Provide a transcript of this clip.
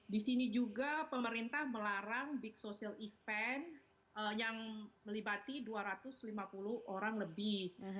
di sini juga pemerintah melarang big social event yang melipati dua ratus lima puluh orang lebih